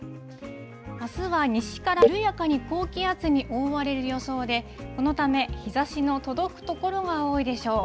あすは西から緩やかに高気圧に覆われる予想で、このため日ざしの届く所が多いでしょう。